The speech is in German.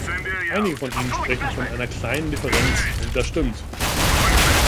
Einige von Ihnen sprechen von einer kleinen Differenz, und das stimmt.